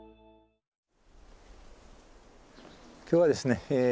今日はですね